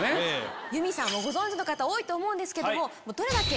由美さんをご存じの方多いと思うんですけど。